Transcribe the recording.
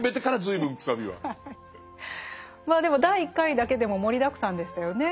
まあでも第１回だけでも盛りだくさんでしたよね。